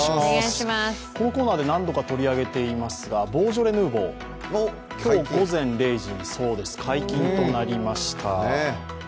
このコーナーで何度か取り上げていますがボージョレ・ヌーボー、今日午前０時に解禁となりました。